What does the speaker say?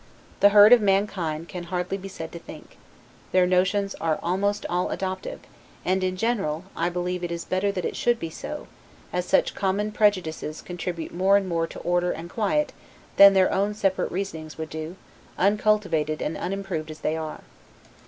The herd of mankind can hardly be said to think; their notions are almost all adoptive; and, in general, I believe it is better that it should be so, as such common prejudices contribute more to order and quiet than their own separate reasonings would do, uncultivated and unimproved as they are.